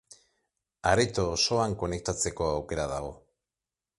Areto osoan konektatzeko aukera dago.